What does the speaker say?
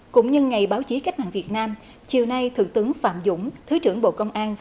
cũng nhân ngày báo chí cách mạng việt nam chiều nay thượng tướng phạm dũng thứ trưởng bộ công an